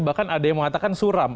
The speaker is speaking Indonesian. bahkan ada yang mengatakan suram